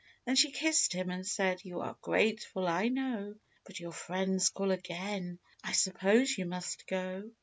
Then she kissed him, and said, " You are grateful, I know ; But your friends call again ; I suppose you must go."